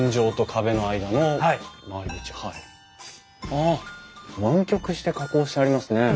ああ湾曲して加工してありますね。